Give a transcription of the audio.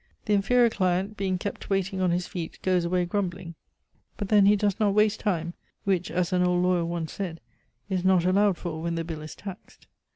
The inferior client, being kept waiting on his feet, goes away grumbling, but then he does not waste time, which, as an old lawyer once said, is not allowed for when the bill is taxed.